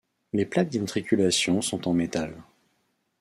Les plaques d'immatriculation sont en métal.